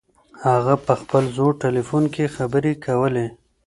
هغه په خپل زوړ تلیفون کې خبرې کولې.